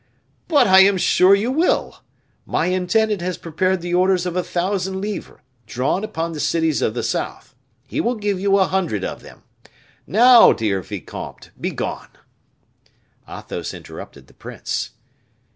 "But I am sure you will. My intendant has prepared the orders of a thousand livres, drawn upon the cities of the south; he will give you a hundred of them. Now, dear vicomte, be gone." Athos interrupted the prince.